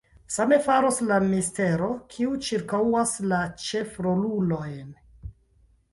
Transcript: Same faros la mistero, kiu cirkaŭas la ĉefrolulojn.